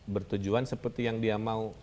bertujuan seperti yang dia mau